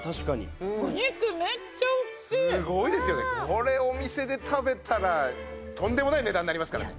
これお店で食べたらとんでもない値段になりますから。